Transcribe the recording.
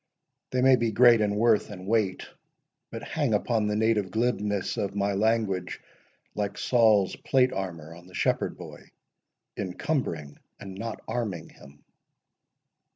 They may be great in worth and weight, but hang Upon the native glibness of my language Like Saul's plate armour on the shepherd boy, Encumbering and not arming him.